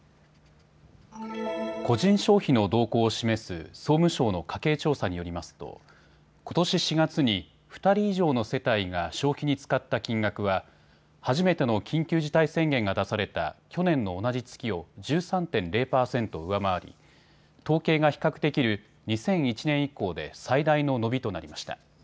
個人消費の動向を示す総務省の家計調査によりますとことし４月に２人以上の世帯が消費に使った金額は初めての緊急事態宣言が出された去年の同じ月を１３．０％上回り統計が比較できる２００１年以降で最大の伸びとなりました。